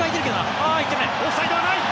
オフサイドはない。